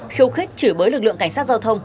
khiêu khích chửi bới lực lượng cảnh sát giao thông